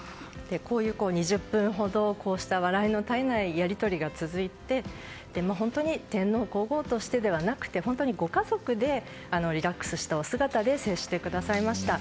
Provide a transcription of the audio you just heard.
２０分ほどこうした笑いの絶えないやり取りが続いて本当に天皇・皇后としてではなく本当にご家族でリラックスしたお姿で接してくださいました。